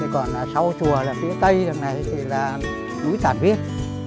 còn sau chùa phía tây là núi tàn viết